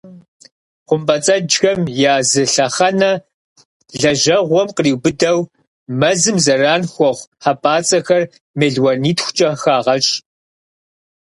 Хъумпӏэцӏэджхэм я зы лъэхъэнэ лэжьэгъуэм къриубыдэу, мэзым зэран хуэхъу хьэпӏацӏэхэр мелуанитхукӏэ хагъэщӏ.